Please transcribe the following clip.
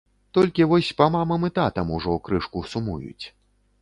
Толькі вось па мамам і татам ужо крышку сумуюць.